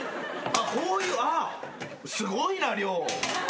こういうあっすごいな量。